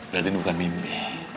berarti ini bukan mimpi